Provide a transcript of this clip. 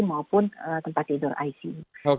maupun tempat tidur icu